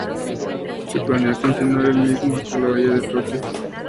Se planea continuar el mismo hasta la Bahía de Tokio.